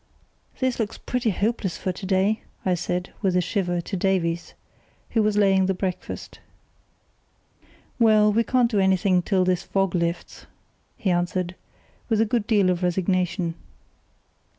"This looks pretty hopeless for to day," I said, with a shiver, to Davies, who was laying the breakfast. "Well, we can't do anything till this fog lifts," he answered, with a good deal of resignation.